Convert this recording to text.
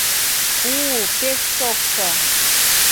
У-у-у, пеш шокшо...